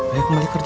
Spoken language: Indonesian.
ayo kembali kerja